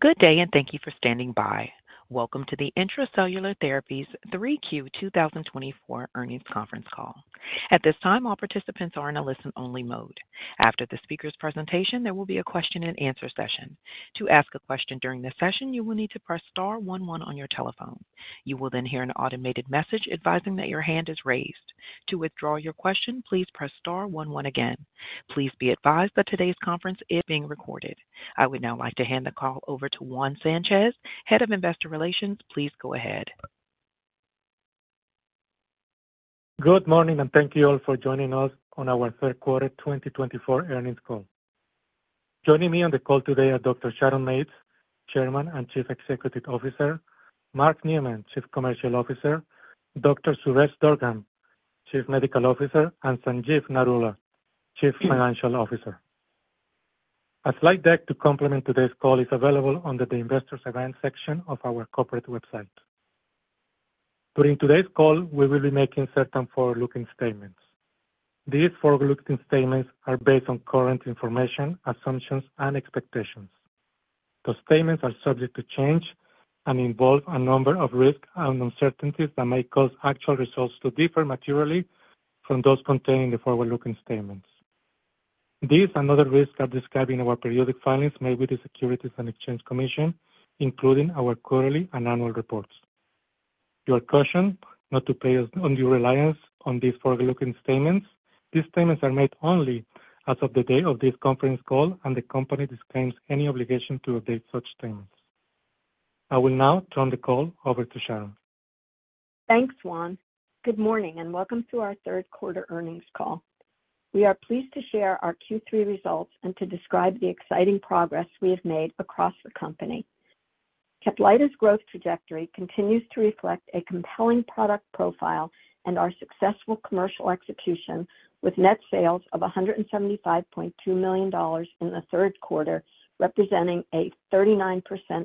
Good day, and thank you for standing by. Welcome to the Intra-Cellular Therapies 3Q 2024 earnings conference call. At this time, all participants are in a listen-only mode. After the speaker's presentation, there will be a question-and-answer session. To ask a question during this session, you will need to press star one one on your telephone. You will then hear an automated message advising that your hand is raised. To withdraw your question, please press star one one again. Please be advised that today's conference is being recorded. I would now like to hand the call over to Juan Sanchez, Head of Investor Relations. Please go ahead. Good morning, and thank you all for joining us on our third quarter 2024 earnings call. Joining me on the call today are Dr. Sharon Mates, Chairman and Chief Executive Officer, Mark Neumann, Chief Commercial Officer, Dr. Suresh Durgam, Chief Medical Officer, and Sanjeev Narula, Chief Financial Officer. A slide deck to complement today's call is available under the Investors Events section of our corporate website. During today's call, we will be making certain forward-looking statements. These forward-looking statements are based on current information, assumptions, and expectations. The statements are subject to change and involve a number of risks and uncertainties that may cause actual results to differ materially from those contained in the forward-looking statements. These and other risks are described in our periodic filings made with the Securities and Exchange Commission, including our quarterly and annual reports. We caution you not to place undue reliance on these forward-looking statements. These statements are made only as of the date of this conference call, and the company disclaims any obligation to update such statements. I will now turn the call over to Sharon. Thanks, Juan. Good morning, and welcome to our third quarter earnings call. We are pleased to share our Q3 results and to describe the exciting progress we have made across the company. Caplyta's growth trajectory continues to reflect a compelling product profile and our successful commercial execution, with net sales of $175.2 million in the third quarter, representing a 39%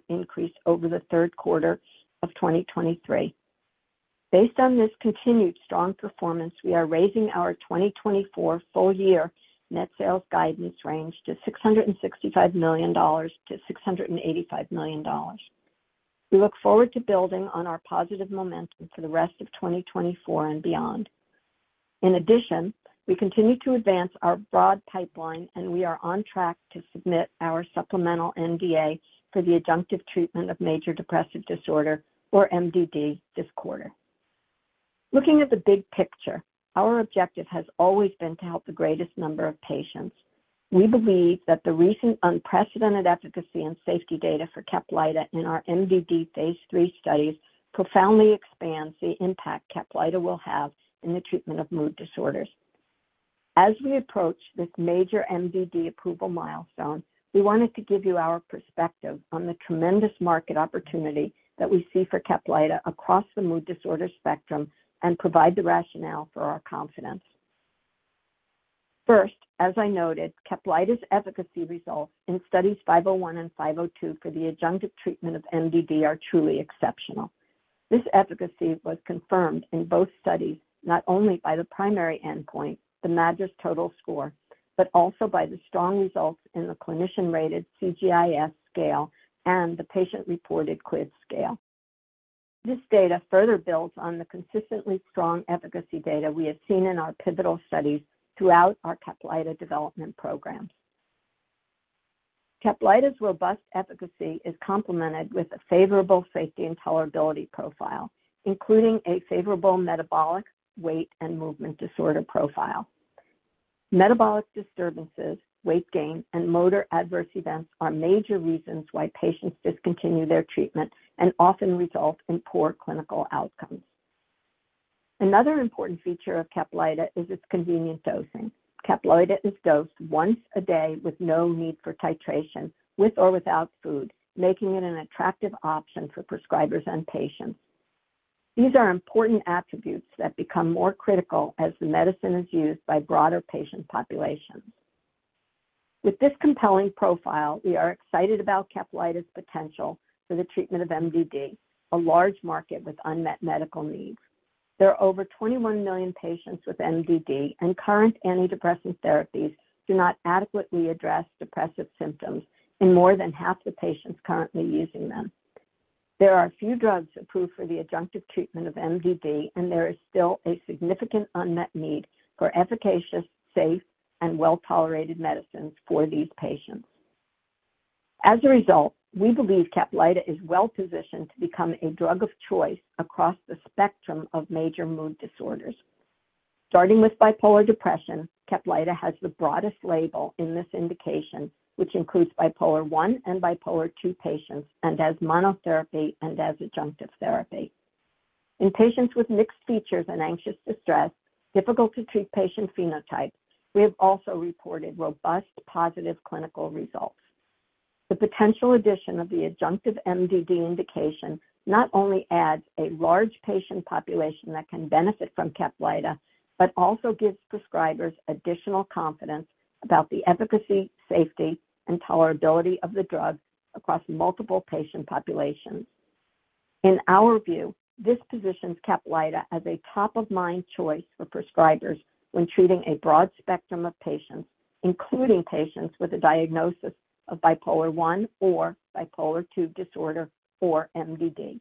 increase over the third quarter of 2023. Based on this continued strong performance, we are raising our 2024 full-year net sales guidance range to $665 million-$685 million. We look forward to building on our positive momentum for the rest of 2024 and beyond. In addition, we continue to advance our broad pipeline, and we are on track to submit our supplemental NDA for the adjunctive treatment of major depressive disorder, or MDD, this quarter. Looking at the big picture, our objective has always been to help the greatest number of patients. We believe that the recent unprecedented efficacy and safety data for Caplyta in our MDD phase III studies profoundly expands the impact Caplyta will have in the treatment of mood disorders. As we approach this major MDD approval milestone, we wanted to give you our perspective on the tremendous market opportunity that we see for Caplyta across the mood disorder spectrum and provide the rationale for our confidence. First, as I noted, Caplyta's efficacy results in Studies 501 and 502 for the adjunctive treatment of MDD are truly exceptional. This efficacy was confirmed in both studies, not only by the primary endpoint, the MADRS total score, but also by the strong results in the clinician-rated CGI-S scale and the patient-reported QLS scale. This data further builds on the consistently strong efficacy data we have seen in our pivotal studies throughout our Caplyta development programs. Caplyta's robust efficacy is complemented with a favorable safety and tolerability profile, including a favorable metabolic, weight, and movement disorder profile. Metabolic disturbances, weight gain, and motor adverse events are major reasons why patients discontinue their treatment and often result in poor clinical outcomes. Another important feature of Caplyta is its convenient dosing. Caplyta is dosed once a day with no need for titration, with or without food, making it an attractive option for prescribers and patients. These are important attributes that become more critical as the medicine is used by broader patient populations. With this compelling profile, we are excited about Caplyta's potential for the treatment of MDD, a large market with unmet medical needs. There are over 21 million patients with MDD, and current antidepressant therapies do not adequately address depressive symptoms, and more than half the patients are currently using them. There are a few drugs approved for the adjunctive treatment of MDD, and there is still a significant unmet need for efficacious, safe, and well-tolerated medicines for these patients. As a result, we believe Caplyta is well-positioned to become a drug of choice across the spectrum of major mood disorders. Starting with bipolar depression, Caplyta has the broadest label in this indication, which includes bipolar I and bipolar II patients, and as monotherapy and as adjunctive therapy. In patients with mixed features and anxious distress, difficult-to-treat patient phenotypes, we have also reported robust positive clinical results. The potential addition of the adjunctive MDD indication not only adds a large patient population that can benefit from Caplyta, but also gives prescribers additional confidence about the efficacy, safety, and tolerability of the drug across multiple patient populations. In our view, this positions Caplyta as a top-of-mind choice for prescribers when treating a broad spectrum of patients, including patients with a diagnosis of Bipolar I or Bipolar II disorder or MDD.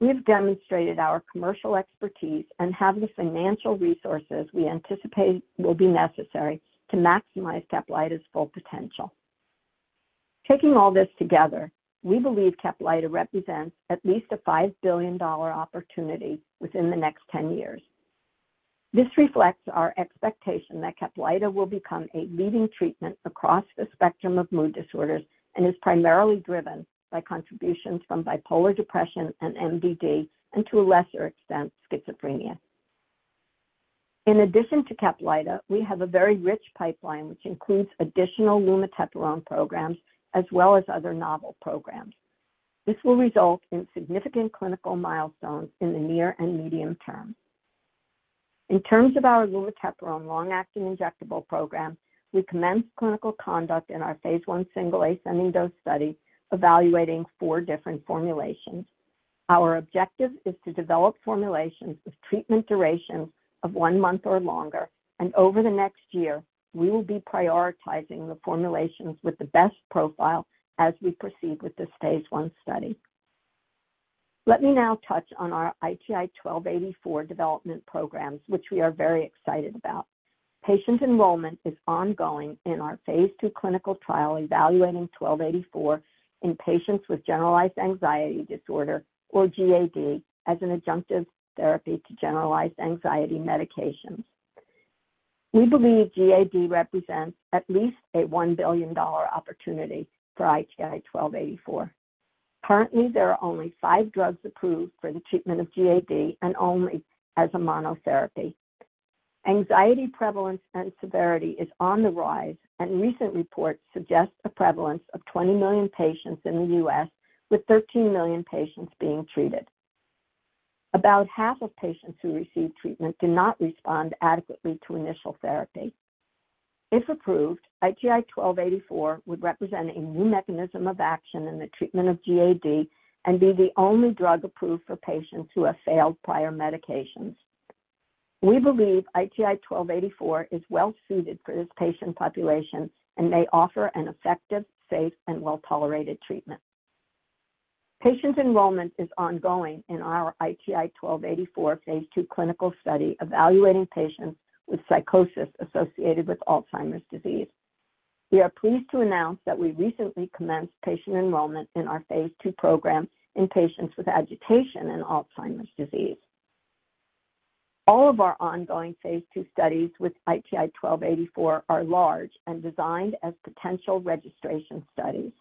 We have demonstrated our commercial expertise and have the financial resources we anticipate will be necessary to maximize Caplyta's full potential. Taking all this together, we believe Caplyta represents at least a $5 billion opportunity within the next 10 years. This reflects our expectation that Caplyta will become a leading treatment across the spectrum of mood disorders and is primarily driven by contributions from bipolar depression and MDD, and to a lesser extent, schizophrenia. In addition to Caplyta, we have a very rich pipeline, which includes additional lumateperone programs as well as other novel programs. This will result in significant clinical milestones in the near and medium term. In terms of our lumateperone long-acting injectable program, we commenced clinical conduct in our phase I single-ascending dose study evaluating four different formulations. Our objective is to develop formulations with treatment durations of one month or longer, and over the next year, we will be prioritizing the formulations with the best profile as we proceed with this phase I study. Let me now touch on our ITI-1284 development programs, which we are very excited about. Patient enrollment is ongoing in our phase II clinical trial evaluating ITI-1284 in patients with Generalized Anxiety Disorder, or GAD, as an adjunctive therapy to generalized anxiety medications. We believe GAD represents at least a $1 billion opportunity for ITI-1284. Currently, there are only five drugs approved for the treatment of GAD and only as a monotherapy. Anxiety prevalence and severity is on the rise, and recent reports suggest a prevalence of 20 million patients in the U.S., with 13 million patients being treated. About half of patients who receive treatment do not respond adequately to initial therapy. If approved, ITI-1284 would represent a new mechanism of action in the treatment of GAD and be the only drug approved for patients who have failed prior medications. We believe ITI-1284 is well-suited for this patient population and may offer an effective, safe, and well-tolerated treatment. Patient enrollment is ongoing in our ITI-1284 phase II clinical study evaluating patients with psychosis associated with Alzheimer's disease. We are pleased to announce that we recently commenced patient enrollment in our phase II program in patients with agitation and Alzheimer's disease. All of our ongoing phase II studies with ITI-1284 are large and designed as potential registration studies.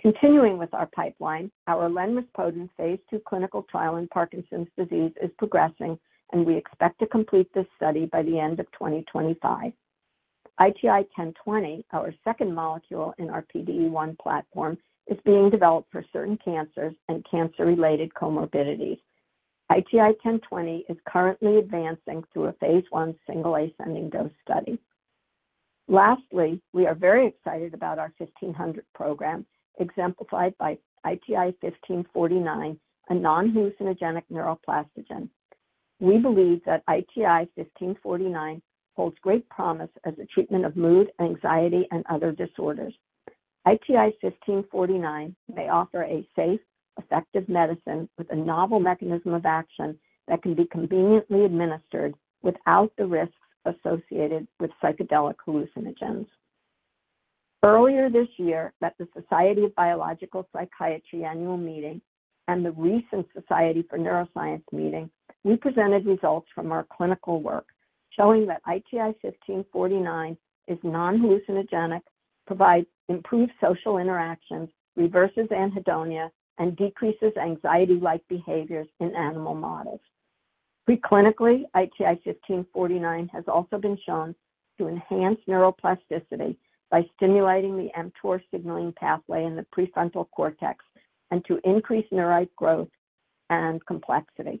Continuing with our pipeline, our lenrispodun phase II clinical trial in Parkinson's disease is progressing, and we expect to complete this study by the end of 2025. ITI-1020, our second molecule in our PDE1 platform, is being developed for certain cancers and cancer-related comorbidities. ITI-1020 is currently advancing through a phase I single-ascending dose study. Lastly, we are very excited about our 1500 program, exemplified by ITI-1549, a non-hallucinogenic neuroplastogen. We believe that ITI-1549 holds great promise as a treatment of mood, anxiety, and other disorders. ITI-1549 may offer a safe, effective medicine with a novel mechanism of action that can be conveniently administered without the risks associated with psychedelic hallucinogens. Earlier this year, at the Society of Biological Psychiatry annual meeting and the recent Society for Neuroscience meeting, we presented results from our clinical work showing that ITI-1549 is non-hallucinogenic, provides improved social interactions, reverses anhedonia, and decreases anxiety-like behaviors in animal models. Preclinically, ITI-1549 has also been shown to enhance neuroplasticity by stimulating the mTOR signaling pathway in the prefrontal cortex and to increase neurite growth and complexity.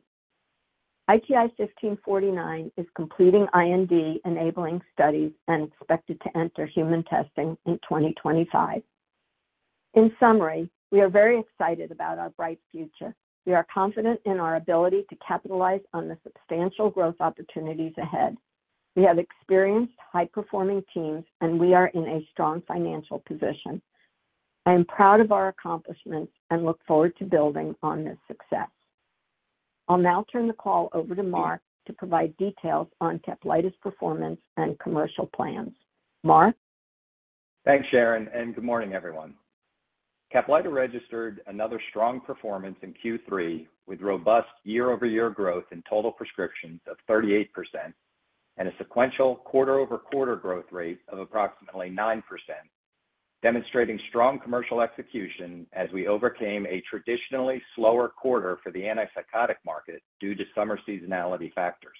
ITI-1549 is completing IND-enabling studies and expected to enter human testing in 2025. In summary, we are very excited about our bright future. We are confident in our ability to capitalize on the substantial growth opportunities ahead. We have experienced high-performing teams, and we are in a strong financial position. I am proud of our accomplishments and look forward to building on this success. I'll now turn the call over to Mark to provide details on Caplyta's performance and commercial plans. Mark. Thanks, Sharon, and good morning, everyone. Caplyta registered another strong performance in Q3 with robust year-over-year growth in total prescriptions of 38% and a sequential quarter-over-quarter growth rate of approximately 9%, demonstrating strong commercial execution as we overcame a traditionally slower quarter for the antipsychotic market due to summer seasonality factors.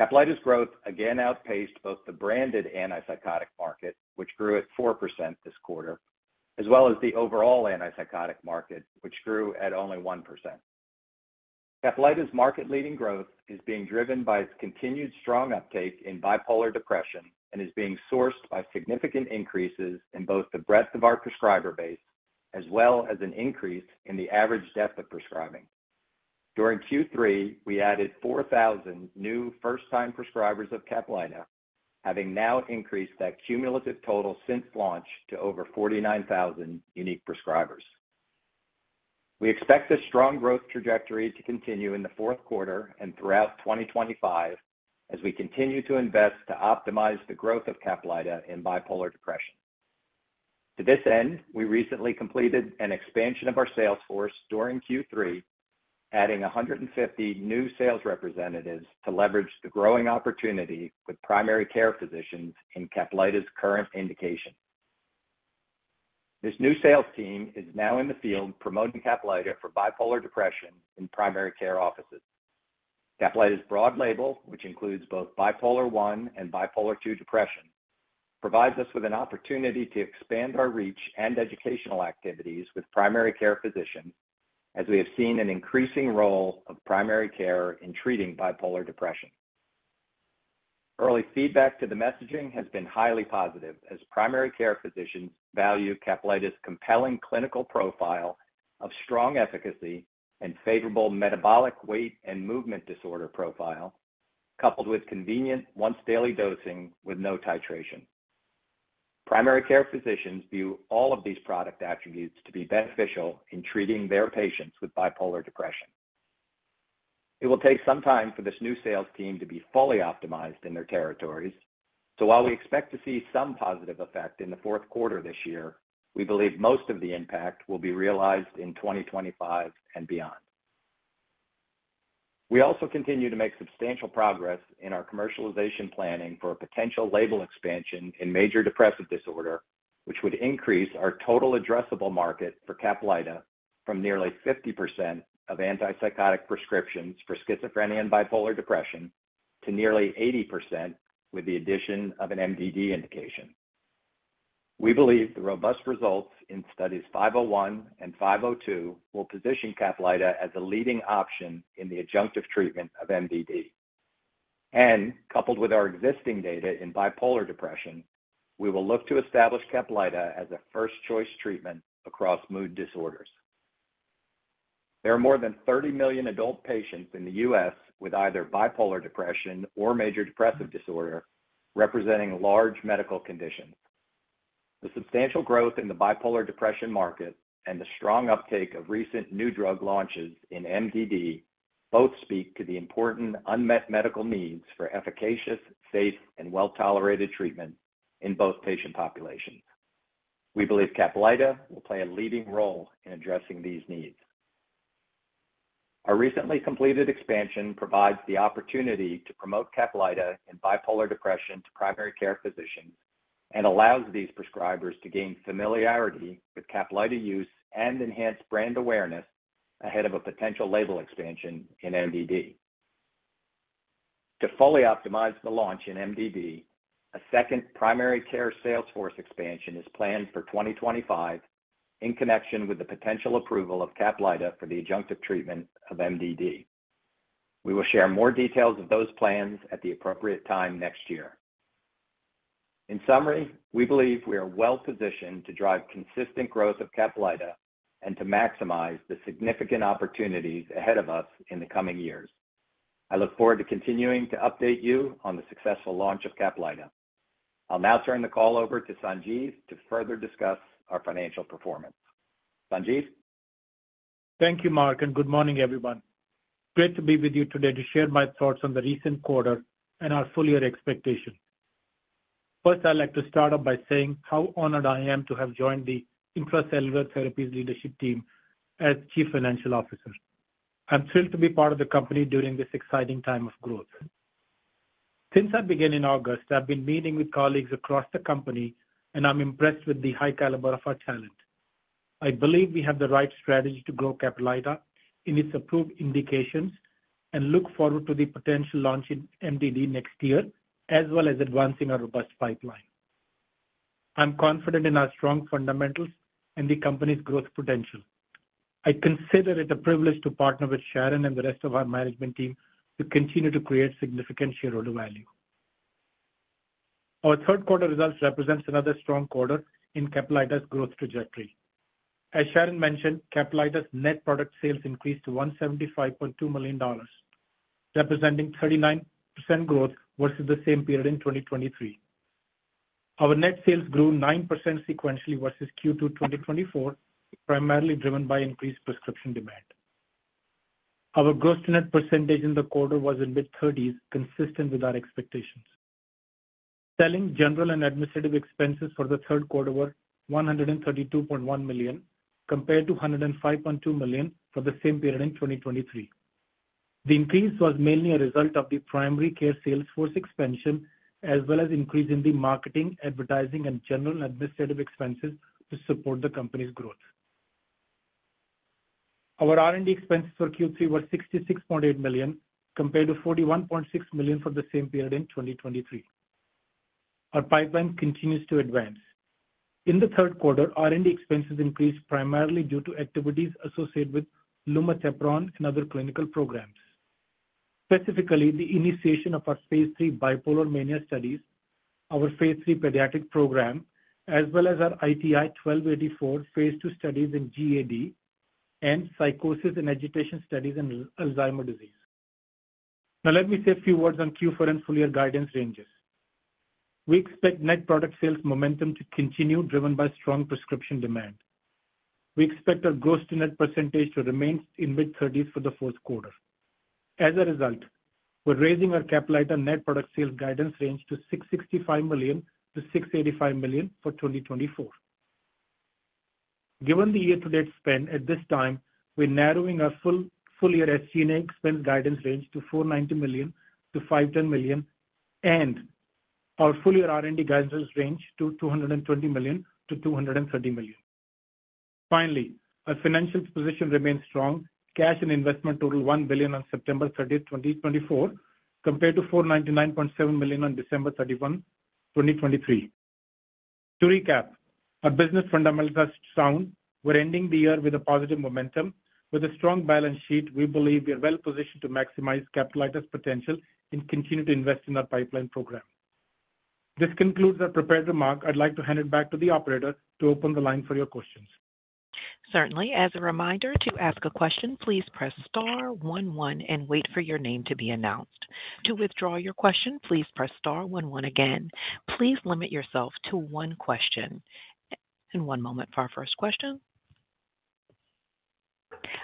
Caplyta's growth again outpaced both the branded antipsychotic market, which grew at 4% this quarter, as well as the overall antipsychotic market, which grew at only 1%. Caplyta's market-leading growth is being driven by its continued strong uptake in bipolar depression and is being sourced by significant increases in both the breadth of our prescriber base as well as an increase in the average depth of prescribing. During Q3, we added 4,000 new first-time prescribers of Caplyta, having now increased that cumulative total since launch to over 49,000 unique prescribers. We expect this strong growth trajectory to continue in the fourth quarter and throughout 2025 as we continue to invest to optimize the growth of Caplyta in bipolar depression. To this end, we recently completed an expansion of our sales force during Q3, adding 150 new sales representatives to leverage the growing opportunity with primary care physicians in Caplyta's current indication. This new sales team is now in the field promoting Caplyta for bipolar depression in primary care offices. Caplyta's broad label, which includes both Bipolar I and Bipolar II depression, provides us with an opportunity to expand our reach and educational activities with primary care physicians as we have seen an increasing role of primary care in treating bipolar depression. Early feedback to the messaging has been highly positive as primary care physicians value Caplyta's compelling clinical profile of strong efficacy and favorable metabolic weight and movement disorder profile, coupled with convenient once-daily dosing with no titration. Primary care physicians view all of these product attributes to be beneficial in treating their patients with bipolar depression. It will take some time for this new sales team to be fully optimized in their territories, so while we expect to see some positive effect in the fourth quarter this year, we believe most of the impact will be realized in 2025 and beyond. We also continue to make substantial progress in our commercialization planning for a potential label expansion in major depressive disorder, which would increase our total addressable market for Caplyta from nearly 50% of antipsychotic prescriptions for schizophrenia and bipolar depression to nearly 80% with the addition of an MDD indication. We believe the robust results in studies 501 and 502 will position Caplyta as a leading option in the adjunctive treatment of MDD, and coupled with our existing data in bipolar depression, we will look to establish Caplyta as a first-choice treatment across mood disorders. There are more than 30 million adult patients in the U.S. with either bipolar depression or major depressive disorder representing large medical conditions. The substantial growth in the bipolar depression market and the strong uptake of recent new drug launches in MDD both speak to the important unmet medical needs for efficacious, safe, and well-tolerated treatment in both patient populations. We believe Caplyta will play a leading role in addressing these needs. Our recently completed expansion provides the opportunity to promote Caplyta in bipolar depression to primary care physicians and allows these prescribers to gain familiarity with Caplyta use and enhance brand awareness ahead of a potential label expansion in MDD. To fully optimize the launch in MDD, a second primary care sales force expansion is planned for 2025 in connection with the potential approval of Caplyta for the adjunctive treatment of MDD. We will share more details of those plans at the appropriate time next year. In summary, we believe we are well-positioned to drive consistent growth of Caplyta and to maximize the significant opportunities ahead of us in the coming years. I look forward to continuing to update you on the successful launch of Caplyta. I'll now turn the call over to Sanjeev to further discuss our financial performance. Sanjeev. Thank you, Mark, and good morning, everyone. Great to be with you today to share my thoughts on the recent quarter and our full-year expectations. First, I'd like to start off by saying how honored I am to have joined the Intra-Cellular Therapies leadership team as Chief Financial Officer. I'm thrilled to be part of the company during this exciting time of growth. Since I began in August, I've been meeting with colleagues across the company, and I'm impressed with the high caliber of our talent. I believe we have the right strategy to grow Caplyta in its approved indications and look forward to the potential launch in MDD next year, as well as advancing our robust pipeline. I'm confident in our strong fundamentals and the company's growth potential. I consider it a privilege to partner with Sharon and the rest of our management team to continue to create significant shareholder value. Our third-quarter results represent another strong quarter in Caplyta's growth trajectory. As Sharon mentioned, Caplyta's net product sales increased to $175.2 million, representing 39% growth versus the same period in 2023. Our net sales grew 9% sequentially versus Q2 2024, primarily driven by increased prescription demand. Our gross-to-net percentage in the quarter was in the mid-30s, consistent with our expectations. Selling general and administrative expenses for the third quarter were $132.1 million, compared to $105.2 million for the same period in 2023. The increase was mainly a result of the primary care sales force expansion, as well as an increase in the marketing, advertising, and general administrative expenses to support the company's growth. Our R&D expenses for Q3 were $66.8 million, compared to $41.6 million for the same period in 2023. Our pipeline continues to advance. In the third quarter, R&D expenses increased primarily due to activities associated with lumateperone and other clinical programs. Specifically, the initiation of our phase III bipolar mania studies, our phase III pediatric program, as well as our ITI-1284 phase II studies in GAD and psychosis and agitation studies in Alzheimer's disease. Now, let me say a few words on Q4 and full-year guidance ranges. We expect net product sales momentum to continue, driven by strong prescription demand. We expect our gross-to-net percentage to remain in the mid-30s% for the fourth quarter. As a result, we're raising our Caplyta net product sales guidance range to $665 million-$685 million for 2024. Given the year-to-date spend at this time, we're narrowing our full-year SG&A expense guidance range to $490 million-$510 million and our full-year R&D guidance range to $220 million-$230 million. Finally, our financial position remains strong. Cash and investment totaled $1 billion on September 30, 2024, compared to $499.7 million on December 31, 2023. To recap, our business fundamentals are sound. We're ending the year with a positive momentum. With a strong balance sheet, we believe we are well-positioned to maximize Caplyta's potential and continue to invest in our pipeline program. This concludes our prepared remark. I'd like to hand it back to the operator to open the line for your questions. Certainly. As a reminder, to ask a question, please press star one one and wait for your name to be announced. To withdraw your question, please press star one one again. Please limit yourself to one question, and one moment for our first question.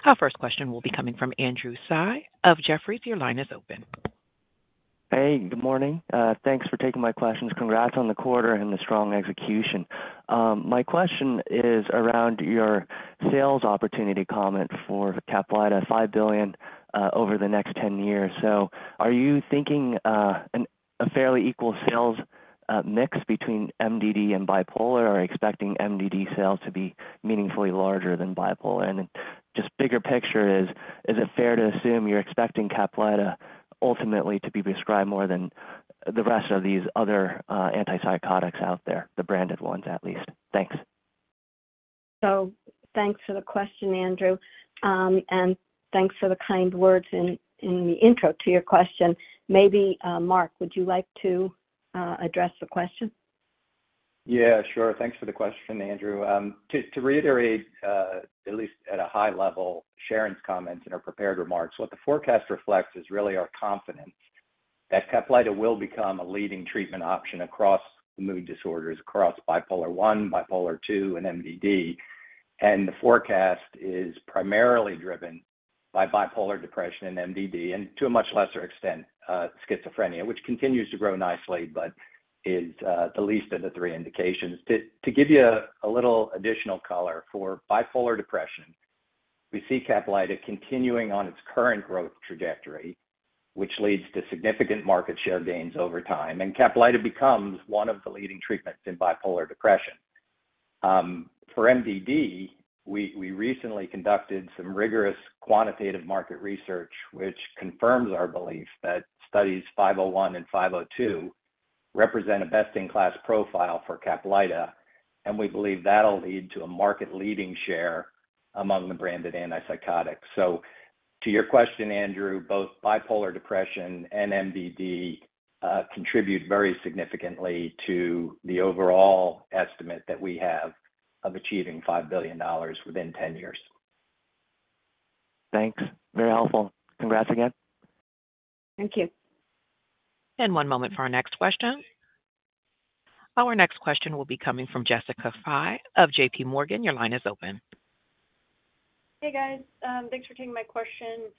Our first question will be coming from Andrew Tsai of Jefferies. Your line is open. Hey, good morning. Thanks for taking my questions. Congrats on the quarter and the strong execution. My question is around your sales opportunity comment for Caplyta, $5 billion over the next 10 years. So are you thinking a fairly equal sales mix between MDD and bipolar, or are you expecting MDD sales to be meaningfully larger than bipolar? And then just bigger picture, is it fair to assume you're expecting Caplyta ultimately to be prescribed more than the rest of these other antipsychotics out there, the branded ones at least? Thanks. So thanks for the question, Andrew. And thanks for the kind words in the intro to your question. Maybe Mark, would you like to address the question? Yeah, sure. Thanks for the question, Andrew. To reiterate, at least at a high level, Sharon's comments and her prepared remarks, what the forecast reflects is really our confidence that Caplyta will become a leading treatment option across the mood disorders, across Bipolar I, Bipolar II, and MDD. And the forecast is primarily driven by bipolar depression and MDD, and to a much lesser extent, schizophrenia, which continues to grow nicely but is the least of the three indications. To give you a little additional color, for bipolar depression, we see Caplyta continuing on its current growth trajectory, which leads to significant market share gains over time. And Caplyta becomes one of the leading treatments in bipolar depression. For MDD, we recently conducted some rigorous quantitative market research, which confirms our belief that studies 501 and 502 represent a best-in-class profile for Caplyta, and we believe that'll lead to a market-leading share among the branded antipsychotics, so to your question, Andrew, both bipolar depression and MDD contribute very significantly to the overall estimate that we have of achieving $5 billion within 10 years. Thanks. Very helpful. Congrats again. Thank you. One moment for our next question. Our next question will be coming from Jessica Fye of JPMorgan. Your line is open. Hey, guys. Thanks for taking my question.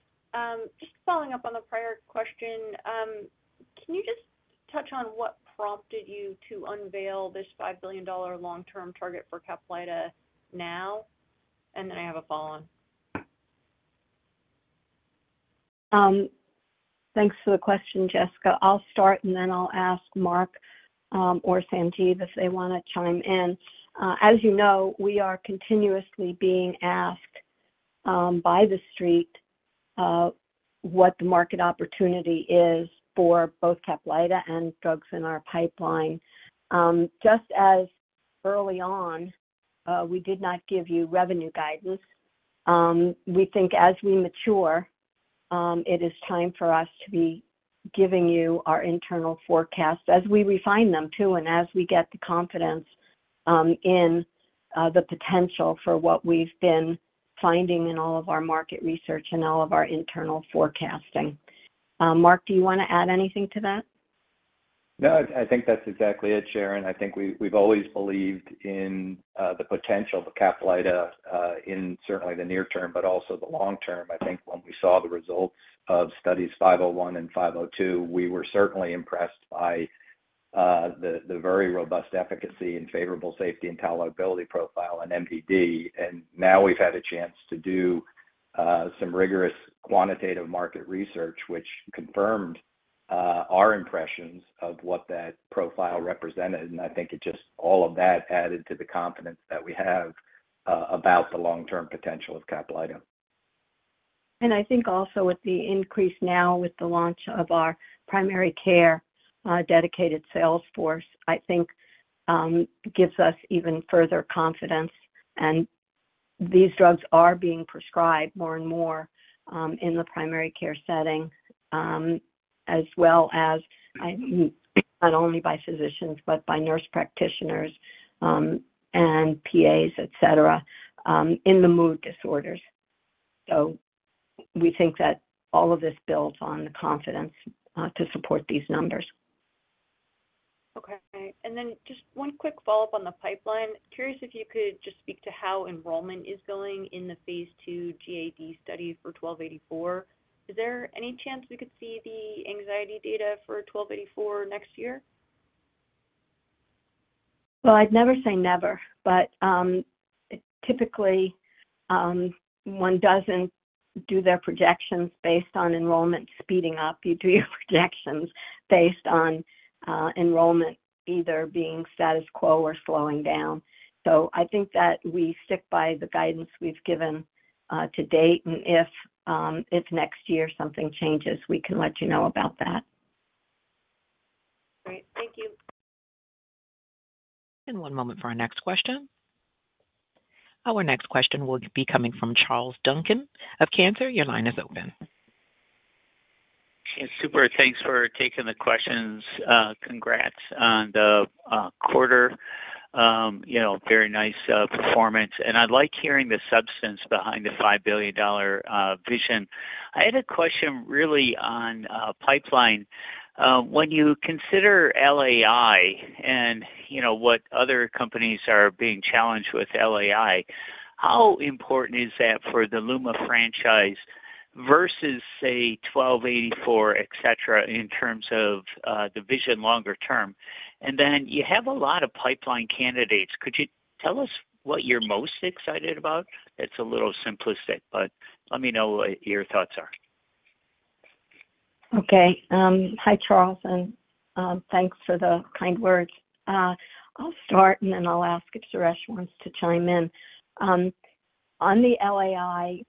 Just following up on the prior question, can you just touch on what prompted you to unveil this $5 billion long-term target for Caplyta now? And then I have a follow-on. Thanks for the question, Jessica. I'll start, and then I'll ask Mark or Sanjeev if they want to chime in. As you know, we are continuously being asked by the Street what the market opportunity is for both Caplyta and drugs in our pipeline. Just as early on, we did not give you revenue guidance. We think as we mature, it is time for us to be giving you our internal forecasts as we refine them too and as we get the confidence in the potential for what we've been finding in all of our market research and all of our internal forecasting. Mark, do you want to add anything to that? No, I think that's exactly it, Sharon. I think we've always believed in the potential for Caplyta in certainly the near term, but also the long term. I think when we saw the results of Studies 501 and 502, we were certainly impressed by the very robust efficacy and favorable safety and tolerability profile in MDD, and now we've had a chance to do some rigorous quantitative market research, which confirmed our impressions of what that profile represented, and I think it just all of that added to the confidence that we have about the long-term potential of Caplyta. I think also with the increase now with the launch of our primary care dedicated sales force, I think gives us even further confidence. These drugs are being prescribed more and more in the primary care setting, as well as not only by physicians, but by nurse practitioners and PAs, et cetera, in the mood disorders. We think that all of this builds on the confidence to support these numbers. Okay. And then just one quick follow-up on the pipeline. Curious if you could just speak to how enrollment is going in the phase II GAD studies for 1284. Is there any chance we could see the anxiety data for 1284 next year? Well, I'd never say never, but typically, one doesn't do their projections based on enrollment speeding up. You do your projections based on enrollment either being status quo or slowing down. So I think that we stick by the guidance we've given to date. And if next year something changes, we can let you know about that. Great. Thank you. And one moment for our next question. Our next question will be coming from Charles Duncan of Cantor Fitzgerald. Your line is open. Super. Thanks for taking the questions. Congrats on the quarter. Very nice performance. And I'd like hearing the substance behind the $5 billion vision. I had a question really on pipeline. When you consider LAI and what other companies are being challenged with LAI, how important is that for the Luma franchise versus, say, 1284, et cetera, in terms of the vision longer term? And then you have a lot of pipeline candidates. Could you tell us what you're most excited about? It's a little simplistic, but let me know what your thoughts are. Okay. Hi, Charles. And thanks for the kind words. I'll start, and then I'll ask if Suresh wants to chime in. On the LAI,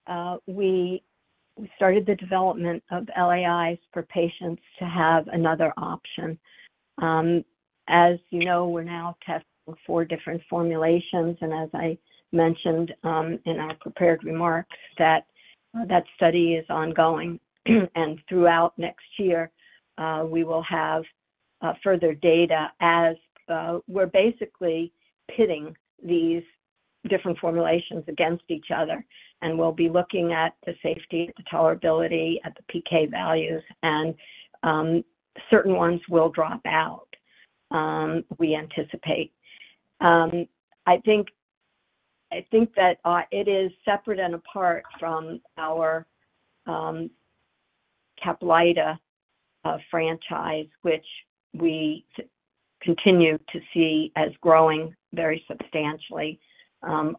we started the development of LAIs for patients to have another option. As you know, we're now testing four different formulations. And as I mentioned in our prepared remarks, that study is ongoing. And throughout next year, we will have further data as we're basically pitting these different formulations against each other. And we'll be looking at the safety, the tolerability, at the PK values. And certain ones will drop out, we anticipate. I think that it is separate and apart from our Caplyta franchise, which we continue to see as growing very substantially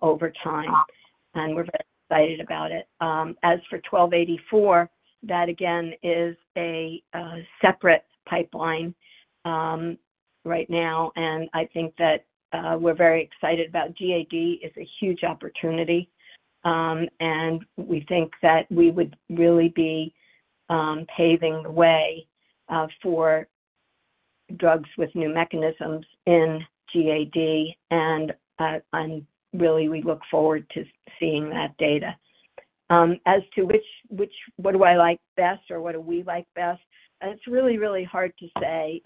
over time. And we're very excited about it. As for 1284, that again is a separate pipeline right now. And I think that we're very excited about GAD as a huge opportunity. We think that we would really be paving the way for drugs with new mechanisms in GAD. Really, we look forward to seeing that data. As to what do I like best or what do we like best, it's really, really hard to say.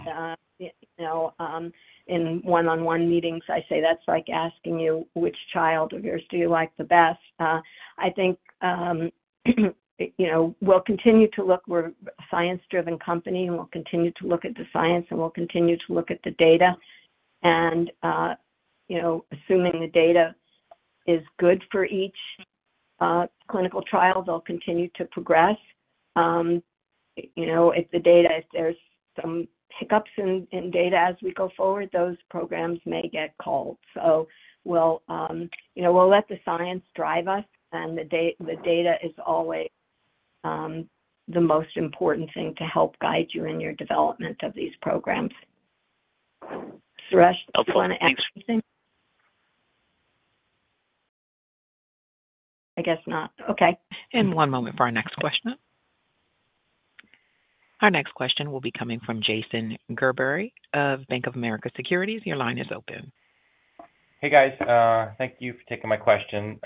In one-on-one meetings, I say that's like asking you which child of yours do you like the best. I think we'll continue to look. We're a science-driven company, and we'll continue to look at the science, and we'll continue to look at the data. Assuming the data is good for each clinical trial, they'll continue to progress. If there's some hiccups in data as we go forward, those programs may get called. We'll let the science drive us. The data is always the most important thing to help guide you in your development of these programs. Suresh, do you want to add anything? I guess not. Okay. One moment for our next question. Our next question will be coming from Jason Gerberry of Bank of America Securities. Your line is open. Hey, guys. Thank you for taking my question.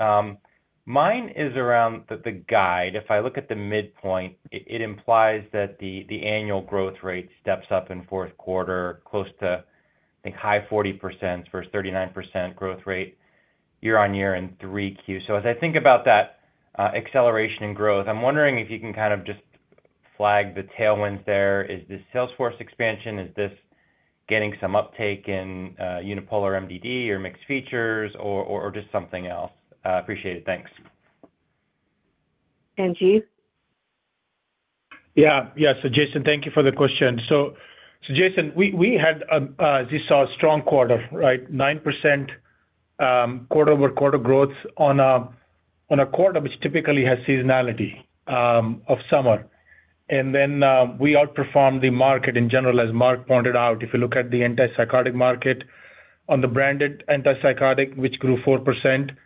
Mine is around the guide. If I look at the midpoint, it implies that the annual growth rate steps up in fourth quarter, close to, I think, high 40% versus 39% growth rate year-on-year in 3Q. So as I think about that acceleration in growth, I'm wondering if you can kind of just flag the tailwinds there. Is this sales force expansion? Is this getting some uptake in unipolar MDD or mixed features or just something else? Appreciate it. Thanks. Andy? Yeah. Yeah. So Jason, thank you for the question. So Jason, we had, as you saw, a strong quarter, right? 9% quarter-over-quarter growth on a quarter which typically has seasonality of summer. And then we outperformed the market in general, as Mark pointed out. If you look at the antipsychotic market on the branded antipsychotic, which grew 4%,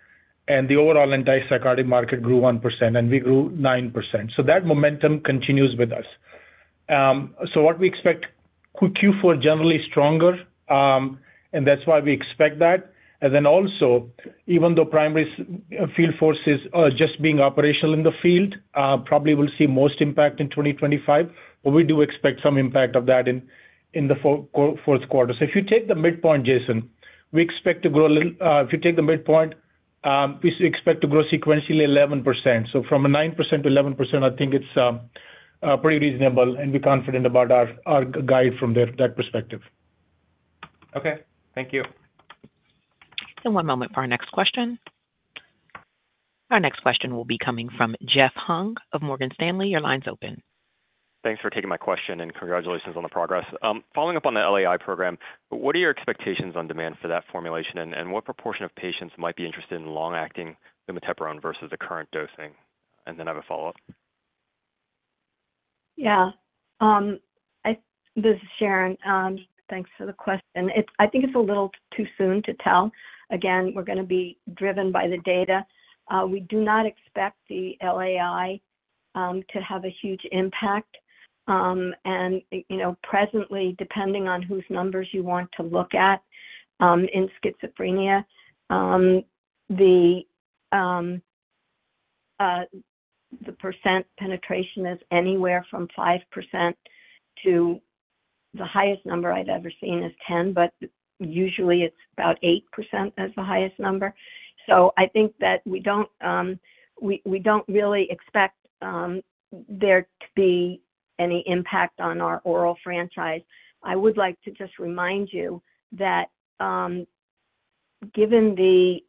and the overall antipsychotic market grew 1%, and we grew 9%. So that momentum continues with us. So what we expect Q4 generally stronger, and that's why we expect that. And then also, even though primary field forces are just being operational in the field, probably we'll see most impact in 2025, but we do expect some impact of that in the fourth quarter. So if you take the midpoint, Jason, we expect to grow a little. If you take the midpoint, we expect to grow sequentially 11%. So from 9%-11%, I think it's pretty reasonable. And we're confident about our guide from that perspective. Okay. Thank you. One moment for our next question. Our next question will be coming from Jeff Hung of Morgan Stanley. Your line's open. Thanks for taking my question and congratulations on the progress. Following up on the LAI program, what are your expectations on demand for that formulation? And what proportion of patients might be interested in long-acting lumateperone versus the current dosing? And then I have a follow-up. Yeah. This is Sharon. Thanks for the question. I think it's a little too soon to tell. Again, we're going to be driven by the data. We do not expect the LAI to have a huge impact. And presently, depending on whose numbers you want to look at in schizophrenia, the percent penetration is anywhere from 5% to the highest number I've ever seen is 10%, but usually it's about 8% as the highest number. So I think that we don't really expect there to be any impact on our oral franchise. I would like to just remind you that given the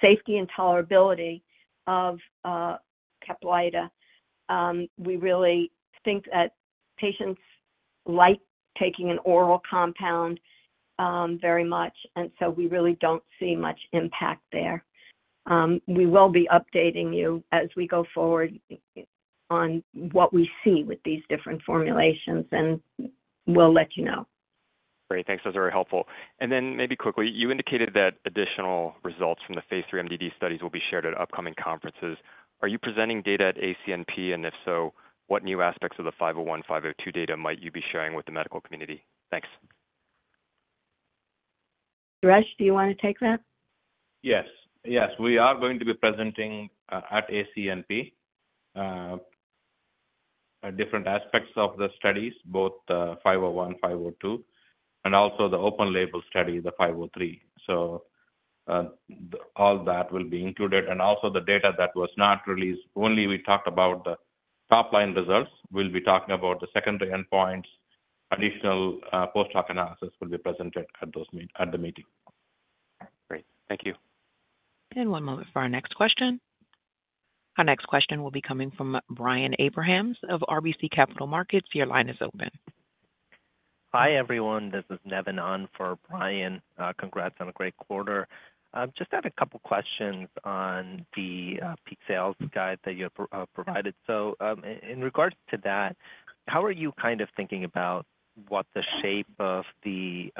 safety and tolerability of Caplyta, we really think that patients like taking an oral compound very much. And so we really don't see much impact there. We will be updating you as we go forward on what we see with these different formulations, and we'll let you know. Great. Thanks. That's very helpful. And then maybe quickly, you indicated that additional results from the phase III MDD studies will be shared at upcoming conferences. Are you presenting data at ACNP? And if so, what new aspects of the 501, 502 data might you be sharing with the medical community? Thanks. Suresh, do you want to take that? Yes. Yes. We are going to be presenting at ACNP different aspects of the studies, both the 501, 502, and also the open-label study, the 503, so all that will be included, and also the data that was not released, only we talked about the top-line results. We'll be talking about the secondary endpoints. Additional post-hoc analysis will be presented at the meeting. Great. Thank you. And one moment for our next question. Our next question will be coming from Brian Abrahams of RBC Capital Markets. Your line is open. Hi everyone. This is Nevin on for Brian. Congrats on a great quarter. Just had a couple of questions on the peak sales guide that you provided. So in regards to that, how are you kind of thinking about what the shape of the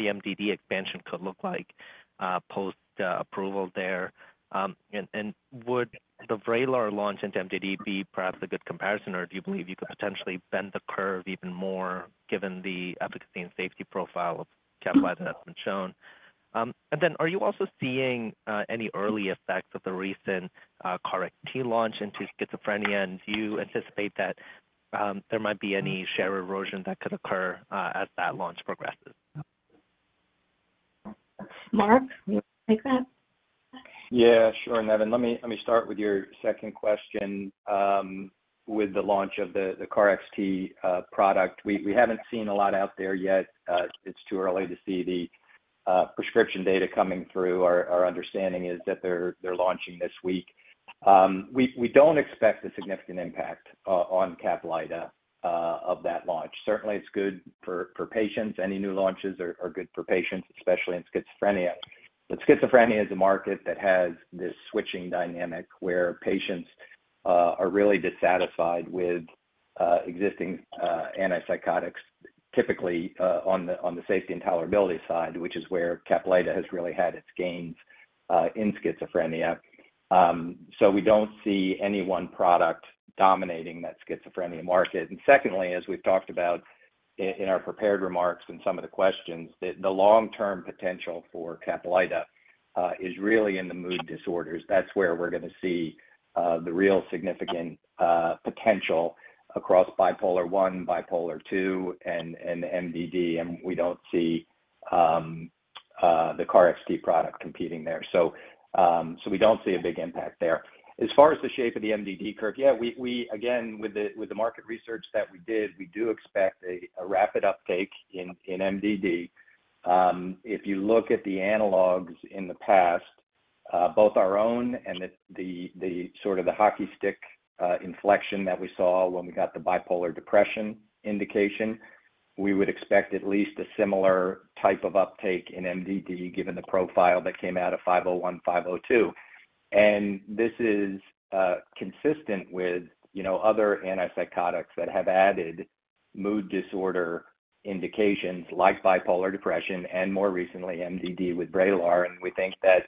MDD expansion could look like post-approval there? And would the Vraylar launch into MDD be perhaps a good comparison, or do you believe you could potentially bend the curve even more given the efficacy and safety profile of Caplyta that's been shown? And then are you also seeing any early effects of the recent KarXT launch into schizophrenia? And do you anticipate that there might be any share erosion that could occur as that launch progresses? Mark? You want to take that? Yeah. Sure, Nevin. Let me start with your second question. With the launch of the KarXT product, we haven't seen a lot out there yet. It's too early to see the prescription data coming through. Our understanding is that they're launching this week. We don't expect a significant impact on Caplyta of that launch. Certainly, it's good for patients. Any new launches are good for patients, especially in schizophrenia, but schizophrenia is a market that has this switching dynamic where patients are really dissatisfied with existing antipsychotics, typically on the safety and tolerability side, which is where Caplyta has really had its gains in schizophrenia, so we don't see any one product dominating that schizophrenia market, and secondly, as we've talked about in our prepared remarks and some of the questions, the long-term potential for Caplyta is really in the mood disorders. That's where we're going to see the real significant potential across bipolar I, bipolar II, and MDD. And we don't see the KarXT product competing there. So we don't see a big impact there. As far as the shape of the MDD curve, yeah, again, with the market research that we did, we do expect a rapid uptake in MDD. If you look at the analogs in the past, both our own and the sort of the hockey stick inflection that we saw when we got the bipolar depression indication, we would expect at least a similar type of uptake in MDD given the profile that came out of 501, 502. And this is consistent with other antipsychotics that have added mood disorder indications like bipolar depression and, more recently, MDD with Vraylar. We think that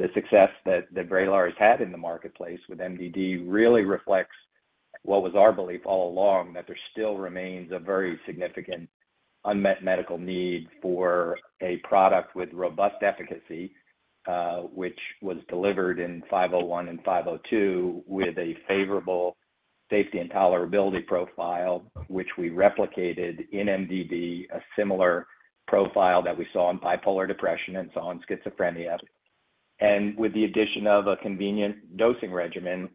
the success that Vraylar has had in the marketplace with MDD really reflects what was our belief all along, that there still remains a very significant unmet medical need for a product with robust efficacy, which was delivered in 501 and 502 with a favorable safety and tolerability profile, which we replicated in MDD, a similar profile that we saw in bipolar depression and saw in schizophrenia. With the addition of a convenient dosing regimen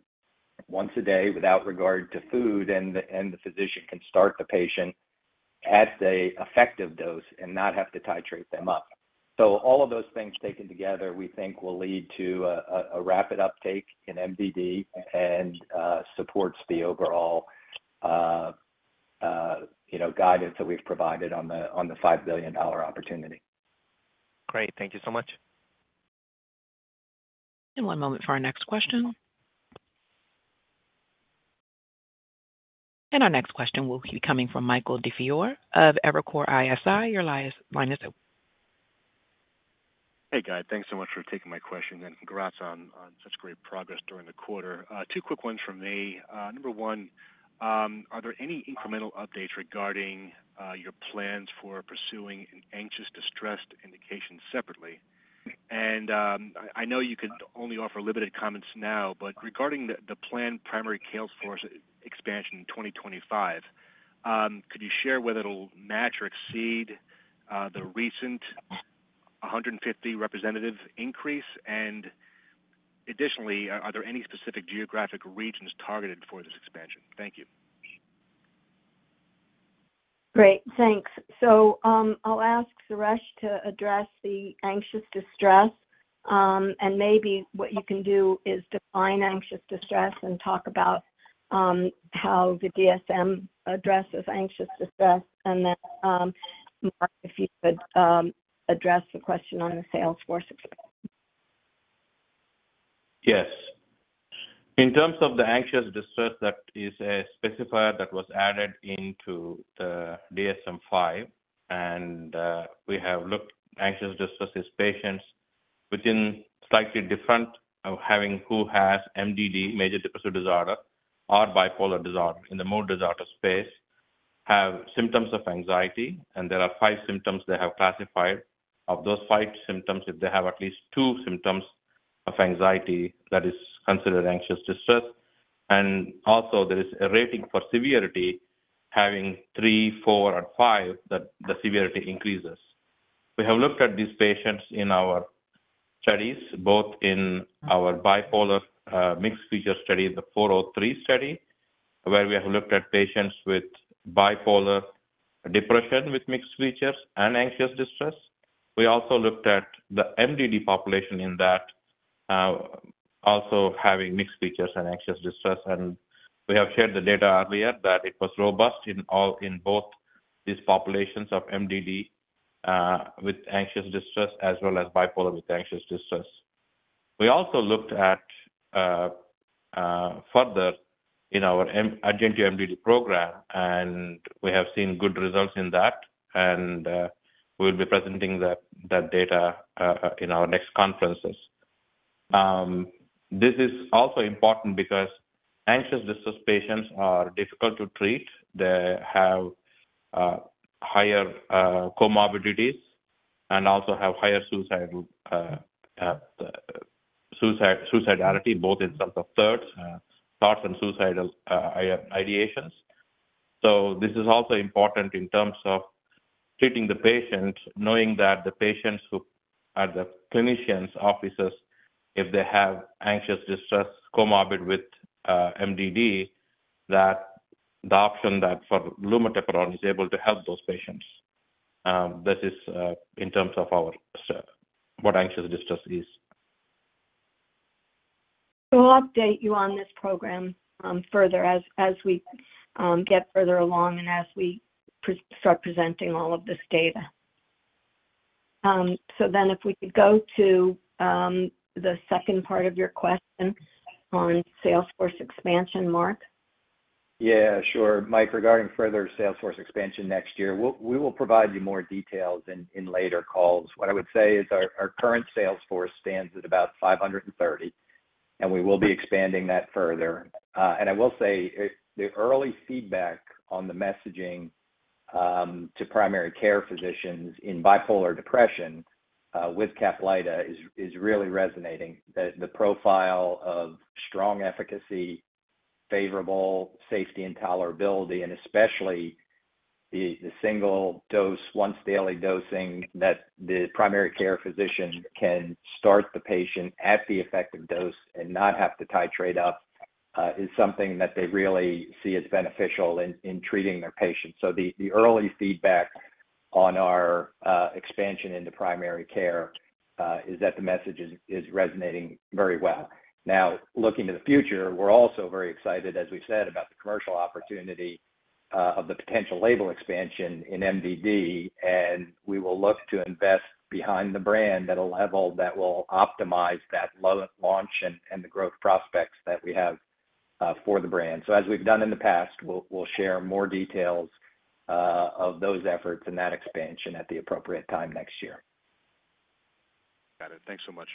once a day without regard to food, and the physician can start the patient at the effective dose and not have to titrate them up. All of those things taken together, we think, will lead to a rapid uptake in MDD and supports the overall guidance that we've provided on the $5 billion opportunity. Great. Thank you so much. One moment for our next question. Our next question will be coming from Michael DiFiore of Evercore ISI. Your line is open. Hey, Guy. Thanks so much for taking my question and congrats on such great progress during the quarter. Two quick ones from me. Number one, are there any incremental updates regarding your plans for pursuing anxious distress indication separately? And I know you can only offer limited comments now, but regarding the planned primary care force expansion in 2025, could you share whether it'll match or exceed the recent 150 representative increase? And additionally, are there any specific geographic regions targeted for this expansion? Thank you. Great. Thanks. So I'll ask Suresh to address the anxious distress. And maybe what you can do is define anxious distress and talk about how the DSM addresses anxious distress. And then, Mark, if you could address the question on the sales force expansion. Yes. In terms of the anxious distress, that is a specifier that was added into the DSM-5, and we have looked at anxious distress as patients within slightly different having who has MDD, major depressive disorder, or bipolar disorder in the mood disorder space, have symptoms of anxiety. And there are five symptoms they have classified. Of those five symptoms, if they have at least two symptoms of anxiety, that is considered anxious distress. And also, there is a rating for severity, having three, four, or five, the severity increases. We have looked at these patients in our studies, both in our bipolar mixed feature study, the 403 study, where we have looked at patients with bipolar depression with mixed features and anxious distress. We also looked at the MDD population in that also having mixed features and anxious distress. We have shared the data earlier that it was robust in both these populations of MDD with anxious distress as well as bipolar with anxious distress. We also looked at further in our augmentation MDD program, and we have seen good results in that. We'll be presenting that data in our next conferences. This is also important because anxious distress patients are difficult to treat. They have higher comorbidities and also have higher suicidality both in terms of thoughts and suicidal ideations. This is also important in terms of treating the patient, knowing that the patients who are in the clinicians' offices, if they have anxious distress comorbid with MDD, that the option for lumateperone is able to help those patients. This is in terms of what anxious distress is. So I'll update you on this program further as we get further along and as we start presenting all of this data. So then if we could go to the second part of your question on sales force expansion, Mark. Yeah. Sure. Mike, regarding further sales force expansion next year, we will provide you more details in later calls. What I would say is our current sales force stands at about 530, and we will be expanding that further. And I will say the early feedback on the messaging to primary care physicians in bipolar depression with Caplyta is really resonating. The profile of strong efficacy, favorable safety and tolerability, and especially the single dose, once-daily dosing that the primary care physician can start the patient at the effective dose and not have to titrate up is something that they really see as beneficial in treating their patients. So the early feedback on our expansion into primary care is that the message is resonating very well. Now, looking to the future, we're also very excited, as we said, about the commercial opportunity of the potential label expansion in MDD. And we will look to invest behind the brand at a level that will optimize that launch and the growth prospects that we have for the brand. So as we've done in the past, we'll share more details of those efforts and that expansion at the appropriate time next year. Got it. Thanks so much.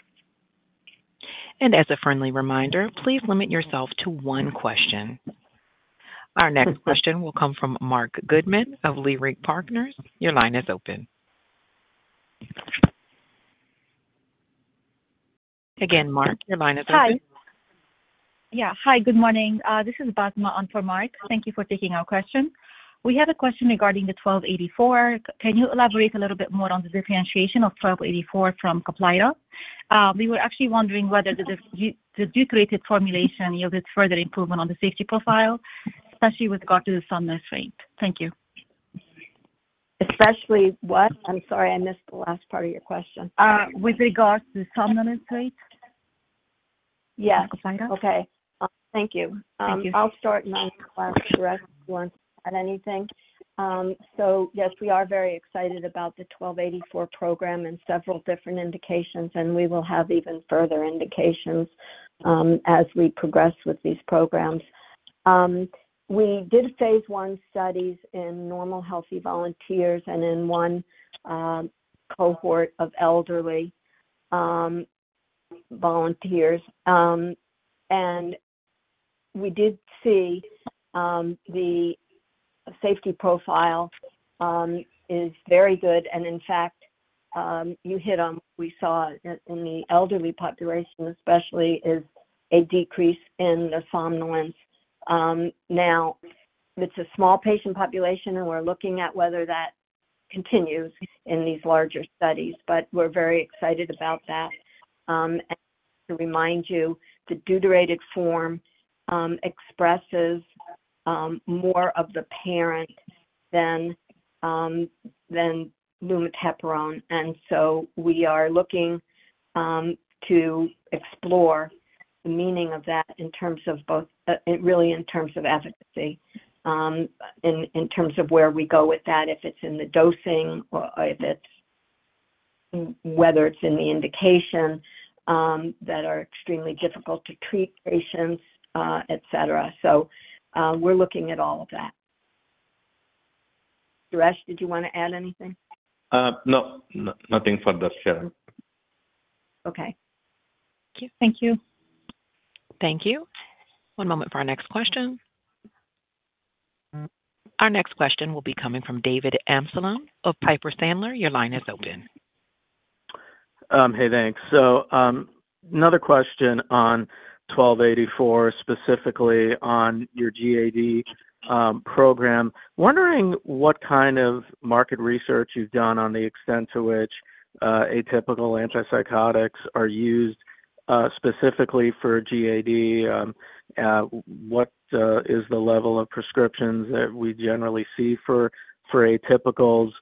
And as a friendly reminder, please limit yourself to one question. Our next question will come from Marc Goodman of Leerink Partners. Your line is open. Again, Marc, your line is open. Hi. Yeah. Hi. Good morning. This is Basma up for Marc. Thank you for taking our question. We have a question regarding the 1284. Can you elaborate a little bit more on the differentiation of 1284 from Caplyta? We were actually wondering whether the deuterated formulation yielded further improvement on the safety profile, especially with regard to the somnolence rate. Thank you. Especially what? I'm sorry. I missed the last part of your question. With regards to somnolence rate? Yes. Okay. Thank you. I'll start and then ask Suresh if he has anything. So yes, we are very excited about the 1284 program and several different indications. And we will have even further indications as we progress with these programs. We did phase I studies in normal healthy volunteers and in one cohort of elderly volunteers. And we did see the safety profile is very good. In fact, you hit on what we saw in the elderly population, especially is a decrease in the somnolence. Now, it's a small patient population, and we're looking at whether that continues in these larger studies. We're very excited about that. To remind you, the deuterated form expresses more of the parent than lumateperone. So we are looking to explore the meaning of that in terms of both, really in terms of efficacy, in terms of where we go with that, if it's in the dosing or whether it's in the indication that are extremely difficult to treat patients, etc. We're looking at all of that. Suresh, did you want to add anything? No. Nothing further to share. Okay. Thank you. Thank you. One moment for our next question. Our next question will be coming from David Amsellem of Piper Sandler. Your line is open. Hey, thanks. So another question on 1284, specifically on your GAD program. Wondering what kind of market research you've done on the extent to which atypical antipsychotics are used specifically for GAD. What is the level of prescriptions that we generally see for atypicals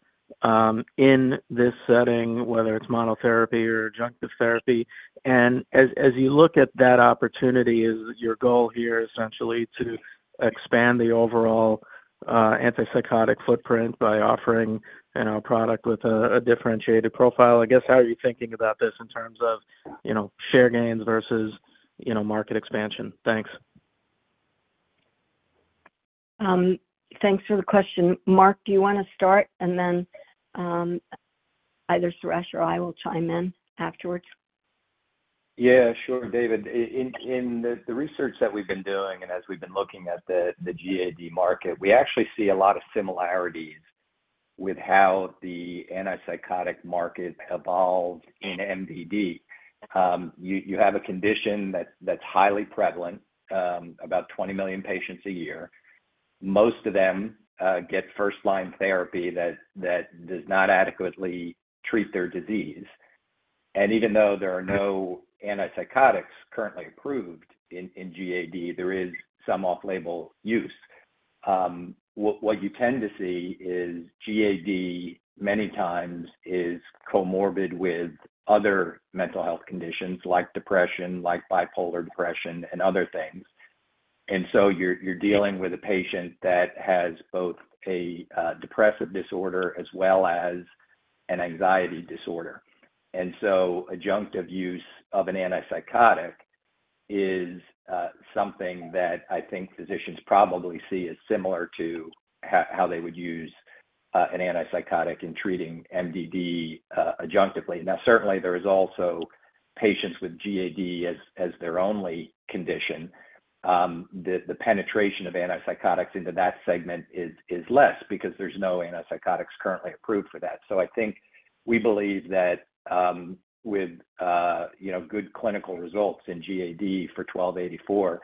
in this setting, whether it's monotherapy or adjunctive therapy? And as you look at that opportunity, is your goal here essentially to expand the overall antipsychotic footprint by offering a product with a differentiated profile? I guess, how are you thinking about this in terms of share gains versus market expansion? Thanks. Thanks for the question. Mark, do you want to start? And then either Suresh or I will chime in afterwards. Yeah. Sure, David. In the research that we've been doing and as we've been looking at the GAD market, we actually see a lot of similarities with how the antipsychotic market evolved in MDD. You have a condition that's highly prevalent, about 20 million patients a year. Most of them get first-line therapy that does not adequately treat their disease. And even though there are no antipsychotics currently approved in GAD, there is some off-label use. What you tend to see is GAD many times is comorbid with other mental health conditions like depression, like bipolar depression, and other things. And so you're dealing with a patient that has both a depressive disorder as well as an anxiety disorder. And so adjunctive use of an antipsychotic is something that I think physicians probably see as similar to how they would use an antipsychotic in treating MDD adjunctively. Now, certainly, there are also patients with GAD as their only condition. The penetration of antipsychotics into that segment is less because there's no antipsychotics currently approved for that. So I think we believe that with good clinical results in GAD for 1284,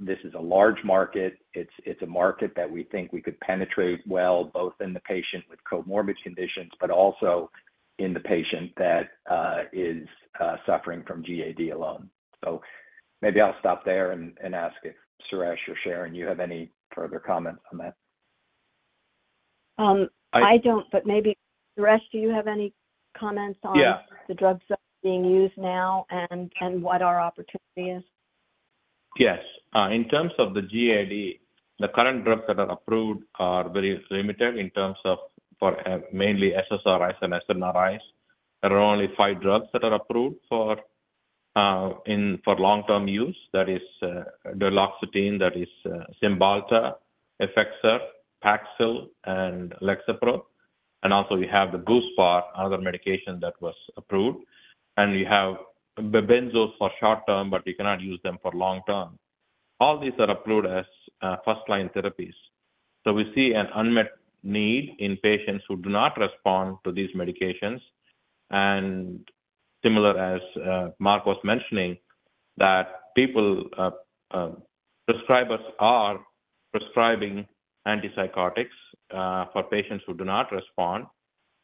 this is a large market. It's a market that we think we could penetrate well, both in the patient with comorbid conditions but also in the patient that is suffering from GAD alone. So maybe I'll stop there and ask if Suresh or Sharon, you have any further comments on that. I don't, but maybe Suresh, do you have any comments on the drugs that are being used now and what our opportunity is? Yes. In terms of the GAD, the current drugs that are approved are very limited in terms of mainly SSRIs and SNRIs. There are only five drugs that are approved for long-term use. That is duloxetine, that is Cymbalta, Effexor, Paxil, and Lexapro, and also we have the Buspar, another medication that was approved, and you have benzos for short-term, but you cannot use them for long-term. All these are approved as first-line therapies, so we see an unmet need in patients who do not respond to these medications, and similar as Mark was mentioning, that prescribers are prescribing antipsychotics for patients who do not respond,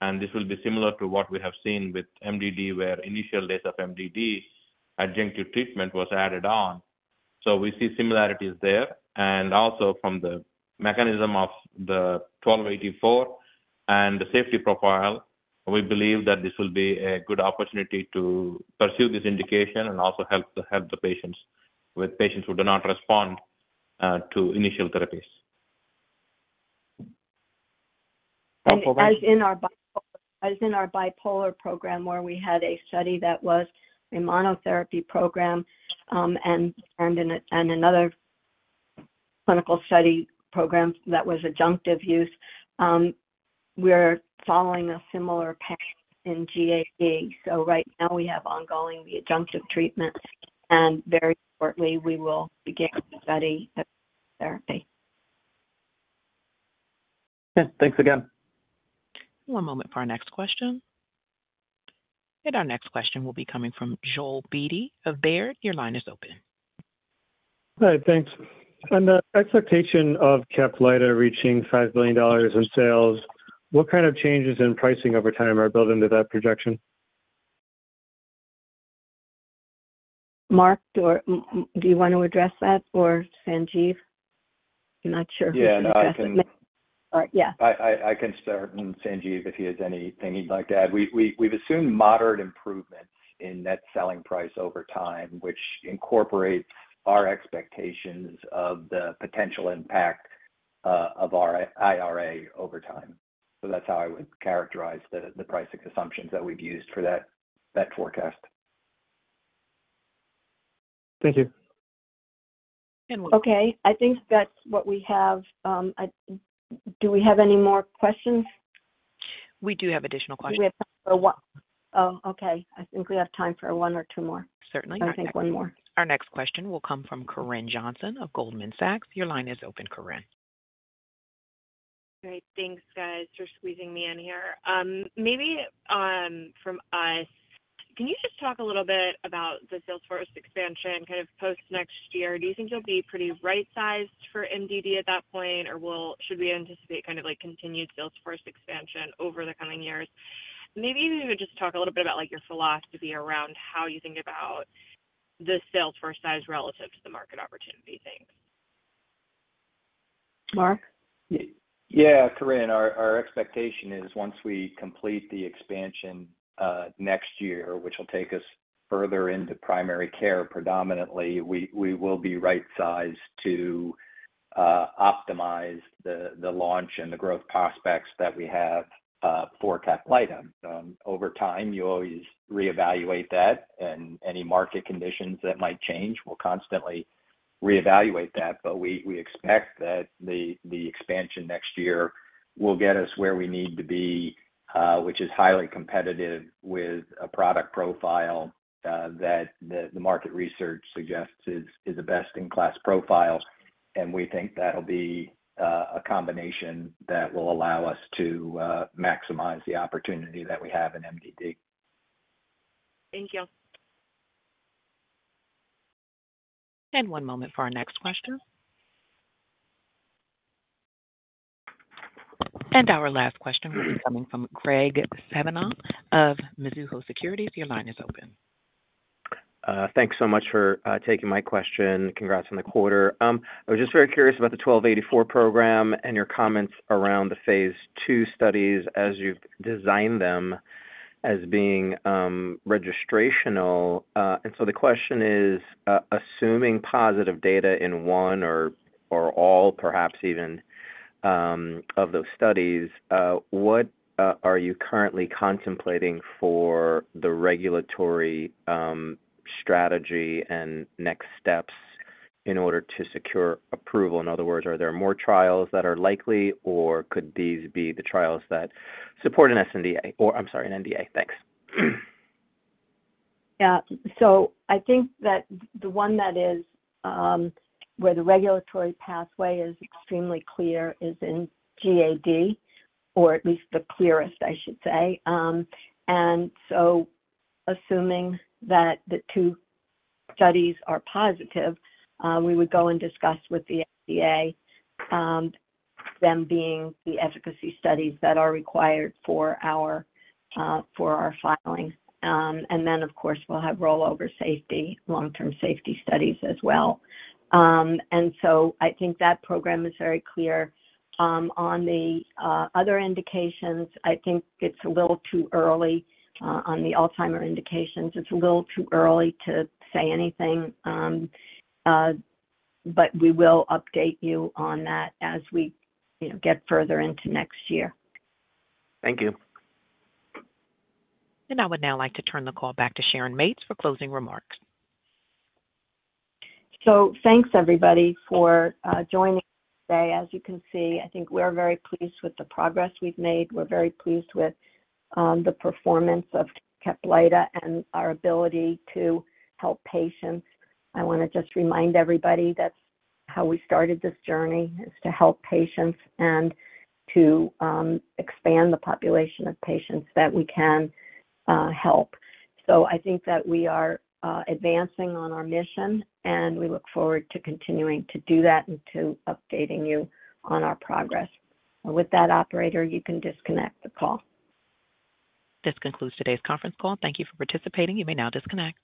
and this will be similar to what we have seen with MDD, where initial days of MDD, adjunctive treatment was added on, so we see similarities there. Also, from the mechanism of the 1284 and the safety profile, we believe that this will be a good opportunity to pursue this indication and also help the patients who do not respond to initial therapies. As in our bipolar program, where we had a study that was a monotherapy program and another clinical study program that was adjunctive use, we're following a similar pattern in GAD. So right now, we have ongoing the adjunctive treatment. And very shortly, we will begin study therapy. Okay. Thanks again. One moment for our next question, and our next question will be coming from Joel Beatty of Baird. Your line is open. Hi. Thanks. On the expectation of Caplyta reaching $5 billion in sales, what kind of changes in pricing over time are built into that projection? Mark, do you want to address that or Sanjeev? I'm not sure who's addressing it. Yeah. I can start, and Sanjeev, if he has anything he'd like to add. We've assumed moderate improvements in net selling price over time, which incorporates our expectations of the potential impact of our IRA over time. So that's how I would characterize the pricing assumptions that we've used for that forecast. Thank you. Okay. I think that's what we have. Do we have any more questions? We do have additional questions. We have time for one. Oh, okay. I think we have time for one or two more. Certainly. I think one more. Our next question will come from Corinne Jenkins of Goldman Sachs. Your line is open, Corinne. Great. Thanks, guys, for squeezing me in here. Maybe from us, can you just talk a little bit about the sales force expansion kind of post-next year? Do you think you'll be pretty right-sized for MDD at that point, or should we anticipate kind of continued sales force expansion over the coming years? Maybe you could just talk a little bit about your philosophy around how you think about the sales force size relative to the market opportunity things. Mark? Yeah. Corinne, our expectation is once we complete the expansion next year, which will take us further into primary care predominantly, we will be right-sized to optimize the launch and the growth prospects that we have for Caplyta. Over time, you always reevaluate that. And any market conditions that might change, we'll constantly reevaluate that. But we expect that the expansion next year will get us where we need to be, which is highly competitive with a product profile that the market research suggests is a best-in-class profile. And we think that'll be a combination that will allow us to maximize the opportunity that we have in MDD. Thank you. One moment for our next question. Our last question will be coming from Graig Suvannavejh of Mizuho Securities. Your line is open. Thanks so much for taking my question. Congrats on the quarter. I was just very curious about the 1284 program and your comments around the phase II studies as you've designed them as being registrational. And so the question is, assuming positive data in one or all, perhaps even of those studies, what are you currently contemplating for the regulatory strategy and next steps in order to secure approval? In other words, are there more trials that are likely, or could these be the trials that support an sNDA or, I'm sorry, an NDA? Thanks. Yeah, so I think that the one that is where the regulatory pathway is extremely clear is in GAD, or at least the clearest, I should say, and so assuming that the two studies are positive, we would go and discuss with the FDA, them being the efficacy studies that are required for our filing. And then, of course, we'll have rollover safety, long-term safety studies as well. And so I think that program is very clear. On the other indications, I think it's a little too early. On the Alzheimer's indications, it's a little too early to say anything. But we will update you on that as we get further into next year. Thank you. I would now like to turn the call back to Sharon Mates for closing remarks. So thanks, everybody, for joining today. As you can see, I think we're very pleased with the progress we've made. We're very pleased with the performance of Caplyta and our ability to help patients. I want to just remind everybody that's how we started this journey, is to help patients and to expand the population of patients that we can help. So I think that we are advancing on our mission, and we look forward to continuing to do that and to updating you on our progress. With that, operator, you can disconnect the call. This concludes today's conference call. Thank you for participating. You may now disconnect.